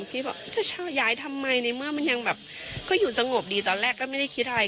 พี่บอกจะเช่าย้ายทำไมในเมื่อมันยังแบบก็อยู่สงบดีตอนแรกก็ไม่ได้คิดอะไร